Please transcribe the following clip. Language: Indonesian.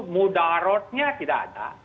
mudarotnya tidak ada